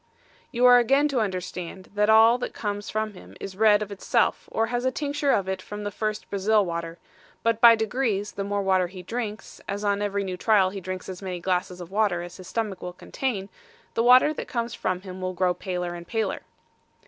You are again to understand that all that comes from him is red of itself, or has a tincture of it from the first Brazil water; but by degrees, the more water he drinks, as on every new trial he drinks as many glasses of water as his stomach will contain, the water that comes from him will grow paler and paler.